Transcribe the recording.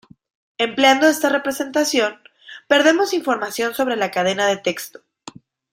Empleando esta representación, perdemos información sobre la cadena de texto.